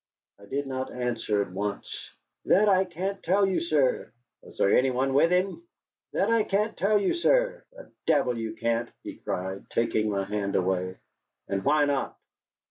I did not answer at once. "That I can't tell you, sir." "Was there any one with him?" "That I can't tell you, sir." "The devil you can't!" he cried, taking his hand away. "And why not?"